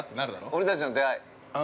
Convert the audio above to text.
◆俺たちの出会い。